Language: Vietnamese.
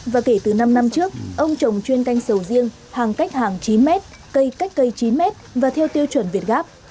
và kể từ năm năm trước ông trồng chuyên canh sầu riêng hàng cách hàng chín mét cây cách cây chín mét và theo tiêu chuẩn việt gáp